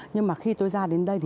nhưng mà khi tôi ra đến đây